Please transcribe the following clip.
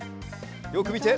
よくみて。